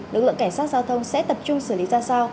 lực lượng cảnh sát giao thông sẽ tập trung xử lý ra sao